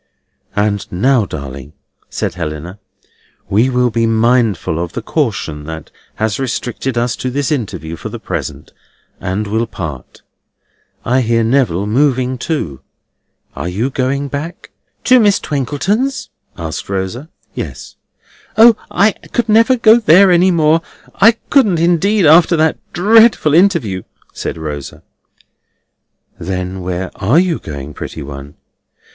"And now, darling," said Helena, "we will be mindful of the caution that has restricted us to this interview for the present, and will part. I hear Neville moving too. Are you going back?" "To Miss Twinkleton's?" asked Rosa. "Yes." "O, I could never go there any more. I couldn't indeed, after that dreadful interview!" said Rosa. "Then where are you going, pretty one?"